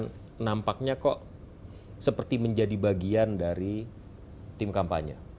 dan nampaknya kok seperti menjadi bagian dari tim kampanye